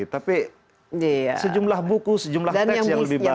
tapi sejumlah buku sejumlah teks yang lebih bagus